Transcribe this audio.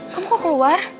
kamu kok keluar